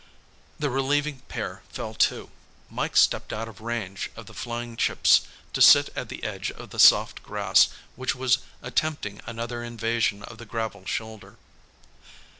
The relieving pair fell to. Mike stepped out of range of the flying chips to sit at the edge of the soft grass which was attempting another invasion of the gravel shoulder.